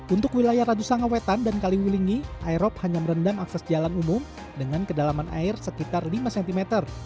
untuk wilayah radusangawetan dan kaliwilingi aerob hanya merendam akses jalan umum dengan kedalaman air sekitar lima cm